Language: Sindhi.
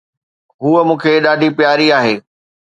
ھوءَ مون کي ڏاڍي پياري آھي.